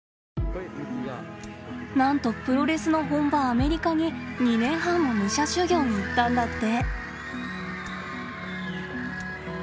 なんとプロレスの本場アメリカに２年半も武者修行に行ったんだって。